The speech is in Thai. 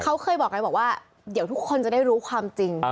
เขาเคยบอกกันบอกว่าเดี๋ยวทุกคนจะได้รู้ความจริง